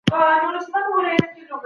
توحید د اسلام اساس دی.